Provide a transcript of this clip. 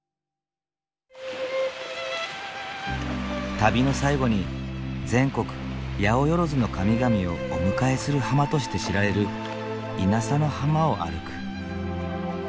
旅の最後に全国八百万の神々をお迎えする浜として知られる稲佐の浜を歩く。